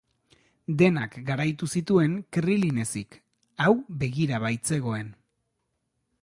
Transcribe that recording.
Denak garaitu zituzten Krilin ezik, hau begira baitzegoen.